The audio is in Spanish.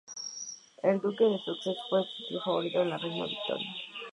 El duque de Sussex fue el tío favorito de la reina Victoria.